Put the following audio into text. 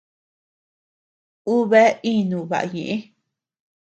Uu bea ínu baʼa ñëʼe.